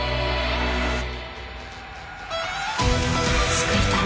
「救いたい」